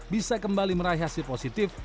bisa kembali meraih hasil positif